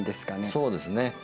そうですね。